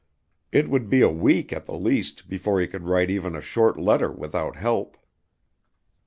It would be a week at the least, before he could write even a short letter without help.